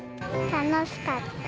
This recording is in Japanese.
楽しかった。